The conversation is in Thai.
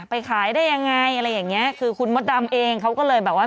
ไปขายได้ยังไงอะไรอย่างเงี้ยคือคุณมดดำเองเขาก็เลยแบบว่า